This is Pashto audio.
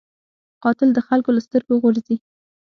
قاتل د خلکو له سترګو غورځي